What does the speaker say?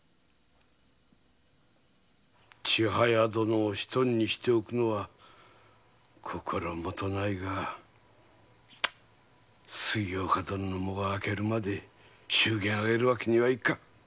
千早殿を一人にしておくのは心もとないが杉岡殿の喪が明けるまで祝言を挙げるわけにはいかぬ。